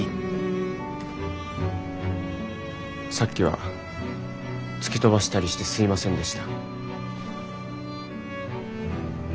さっきは突き飛ばしたりしてすいませんでした。